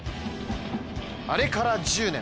あれから１０年。